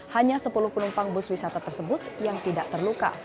hanya sepuluh penumpang bus wisata tersebut yang tidak terluka